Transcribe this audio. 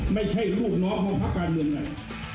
ไม่ใช่ลูกน้องของพักการเมืองไหน